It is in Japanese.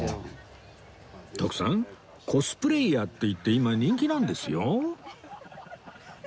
徳さんコスプレーヤーっていって今人気なんですよ